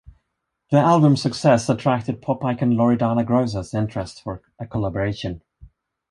The album's success attracted pop icon Loredana Groza's interest for a collaboration.